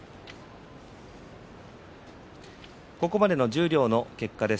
ここまでの十両の結果です。